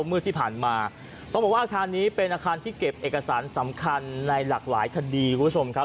มืดที่ผ่านมาต้องบอกว่าอาคารนี้เป็นอาคารที่เก็บเอกสารสำคัญในหลากหลายคดีคุณผู้ชมครับ